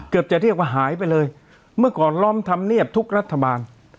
จะเรียกว่าหายไปเลยเมื่อก่อนล้อมธรรมเนียบทุกรัฐบาล